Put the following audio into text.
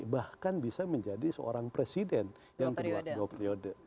bahkan bisa menjadi seorang presiden yang kedua periode